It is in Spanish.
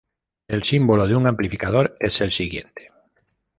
El símbolo de un amplificador es el siguiente.